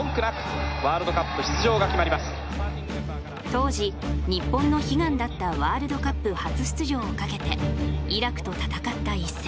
当時日本の悲願だったワールドカップ初出場を懸けてイラクと戦った一戦。